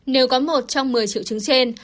nếu có một trong một mươi triệu chứng trên